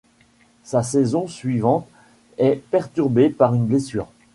Sa saison suivante est perturbée par une blessure.